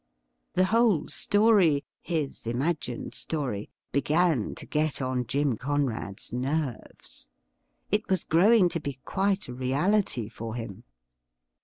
The whole story — ^his imagined story — ^began to get on Jim Conrad's nerves. It was growing to be quite a reality for him.